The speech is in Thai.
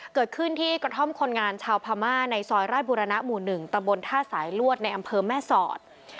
เกิดขึ้นที่กระท่อมคนงานชาวพม่าในซอยราชบุรณะหมู่๑ตำบลท่าสายลวดในอำเภอแม่สอด